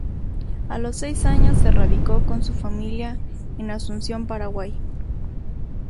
A los seis años se radicó con su familia en Asunción, Paraguay.